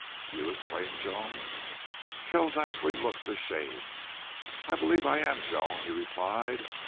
"You!" exclaimed Joan. Kells actually looked ashamed. "I believe I am, Joan," he replied.